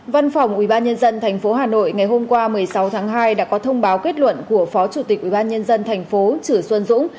văn phòng ubnd tp hà nội ngày hôm qua một mươi sáu tháng hai đã có thông báo kết luận của phó chủ tịch ubnd tp chử xuân dũng